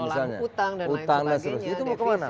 pengelolaan hutang dan lain sebagainya